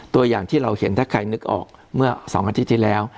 ตัวอย่างที่เราเห็นถ้าใครนึกออกเมื่อ๒อาทิตย์ที่แล้ว